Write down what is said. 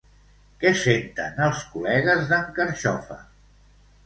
Què senten els col·legues d'en Carxofa?